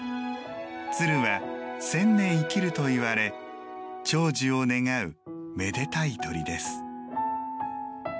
鶴は千年生きると言われ長寿を願うめでたい鳥です。